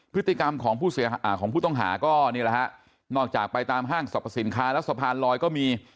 พฤติกรรมของผู้ต้องหาก็นี่แหละฮะนอกจากไปตามห้างสรรพสินค้าแล้วสะพานลอยก็มี